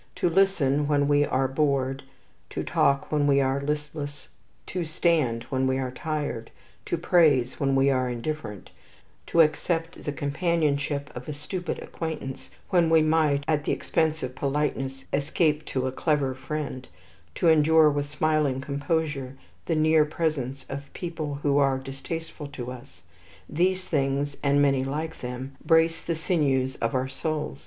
To listen when we are bored, to talk when we are listless, to stand when we are tired, to praise when we are indifferent, to accept the companionship of a stupid acquaintance when we might, at the expense of politeness, escape to a clever friend, to endure with smiling composure the near presence of people who are distasteful to us, these things, and many like them, brace the sinews of our souls.